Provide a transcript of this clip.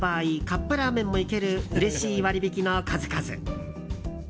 カップラーメンもいけるうれしい割引の数々。